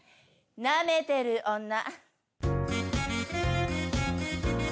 『舐めてる女』。